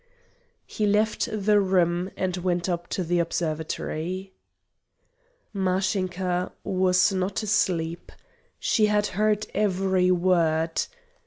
He left the room and went up to the observatory. Mashinka was not asleep. She had heard every word.